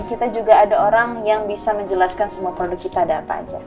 kita juga ada orang yang bisa menjelaskan semua produk kita ada apa aja